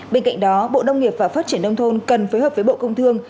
bên cạnh đó bộ đông nghiệp và phát triển đông thôn cần phối hợp với bộ công thương